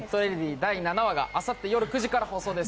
第７話があさって夜９時から放送です。